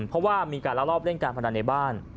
เพราะว่ามีการละรอบเล่นการพนันในบ้าน